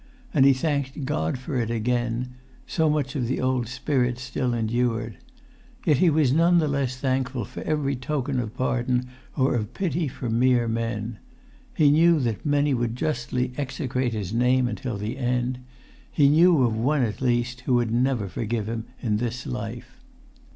And he thanked God for it again; so much of the old spirit still endured. Yet was he none the less thankful for every token of pardon or of pity from mere men. He knew that many would justly execrate his name until the end. He knew of one at least who would never forgive him in this life.